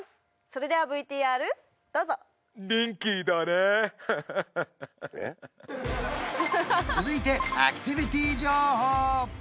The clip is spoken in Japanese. それではＶＴＲどうぞ人気だねハハハ続いてアクティビティ情報！